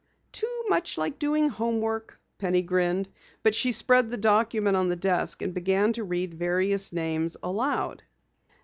"Too much like doing home work," Penny grinned, but she spread the document on the desk and began to read various names aloud.